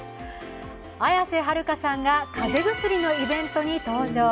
綾瀬はるかさんが風邪薬のイベントに登場。